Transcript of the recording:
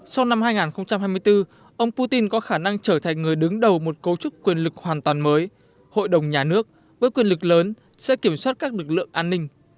sau năm hai nghìn hai mươi bốn ông putin có khả năng trở thành người đứng đầu một cấu trúc quyền lực hoàn toàn mới hội đồng nhà nước với quyền lực lớn sẽ kiểm soát các lực lượng an ninh